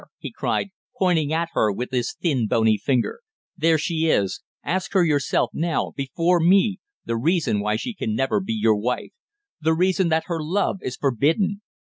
he cried, pointing at her with his thin, bony finger. "There she is! Ask her yourself, now before me the reason why she can never be your wife the reason that her love is forbidden!